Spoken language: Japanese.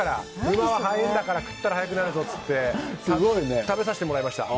馬は速えんだから食ったら速くなるぞって言って食べさせてもらいました。